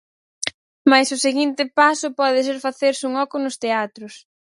Mais o seguinte paso pode ser facerse un oco nos teatros.